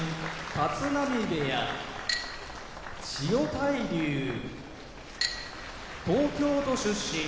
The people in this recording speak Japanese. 立浪部屋千代大龍東京都出身